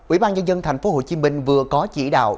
ủy ban nhân dân tp hcm vừa có chỉ đạo